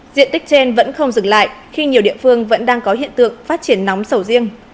diện tích trên vẫn không dừng lại khi nhiều địa phương vẫn đang có hiện tượng phát triển nóng sầu riêng